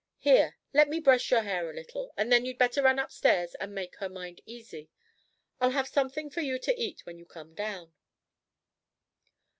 Here, let me brush your hair a little, and then you'd better run upstairs and make her mind easy. I'll have something for you to eat when you come down."